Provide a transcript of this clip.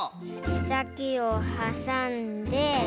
けさきをはさんで。